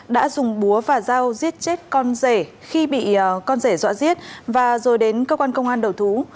đã dùng búa và dao giết chết con rể khi bị con rể dọa giết và rồi đến cơ quan công an đầu thú